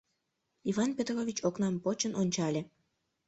Иван Петрович окнам почын ончале.